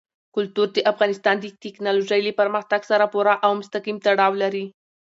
کلتور د افغانستان د تکنالوژۍ له پرمختګ سره پوره او مستقیم تړاو لري.